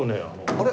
あれ？